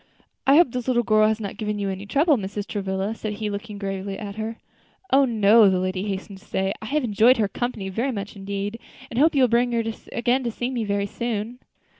"I hope this little girl has not given you any trouble, Mrs. Travilla," said he, looking gravely at her. "Oh! no," the lady hastened to say, "I have enjoyed her company very much indeed, and hope you will bring her to see me again very soon."